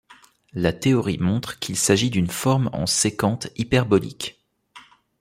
La théorie montre qu'il s'agit d'une forme en sécante hyperbolique.